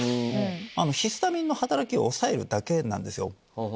ヒスタミンの働きを抑えるだけなんですよ。